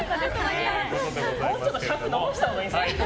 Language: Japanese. もうちょっと尺延ばしたほうがいいですね。